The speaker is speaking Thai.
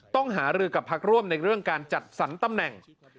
ต้องหารือกับพักร่วมในเรื่องการจัดสรรตำแหน่ง